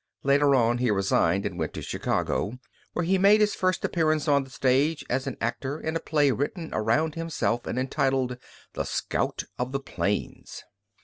Later on he resigned and went to Chicago, where he made his first appearance on the stage as an actor in a play written around himself and entitled, "The Scout of the Plains."